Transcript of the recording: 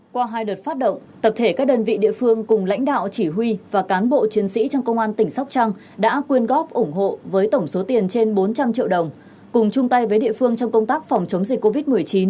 qua hai đợt phát động tập thể các đơn vị địa phương cùng lãnh đạo chỉ huy và cán bộ chiến sĩ trong công an tỉnh sóc trăng đã quyên góp ủng hộ với tổng số tiền trên bốn trăm linh triệu đồng cùng chung tay với địa phương trong công tác phòng chống dịch covid một mươi chín